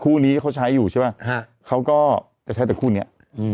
คู่นี้เขาใช้อยู่ใช่ป่ะหาเขาก็จะใช้กับคู่เนี้ย